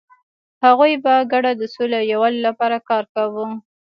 هغوی په ګډه د سولې او یووالي لپاره کار کاوه.